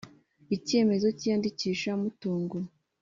Icyemezo cy iyandikisha mutungo